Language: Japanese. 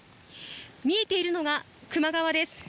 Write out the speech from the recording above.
見えているのが、球磨川です。